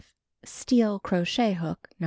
Steel crochet hook, No.